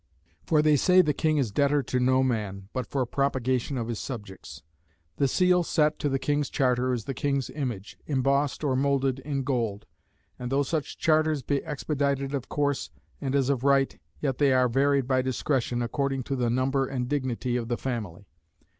For they say the king is debtor to no man, but for propagation of his subjects. The seal set to the king's charter is the king's image, imbossed or moulded in gold; and though such charters be expedited of course, and as of right, yet they are varied by discretion, according to the number and dignity of the family.